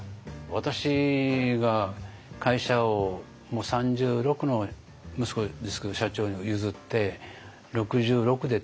私が会社をもう３６の息子ですけど社長に譲って６６で退任したでしょ。